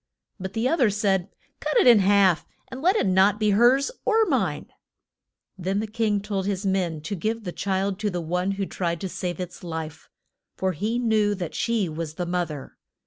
But the oth er said, Cut it in half, and let it not be hers or mine. Then the king told his men to give the child to the one who tried to save its life, for he knew that she was the moth er.